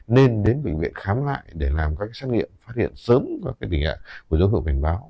nên đến bệnh viện khám lại để làm các xét nghiệm phát hiện sớm các tình hạn của dấu hiệu bình báo